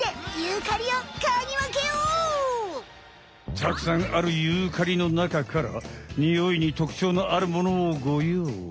たくさんあるユーカリのなかからニオイにとくちょうのあるものをごようい。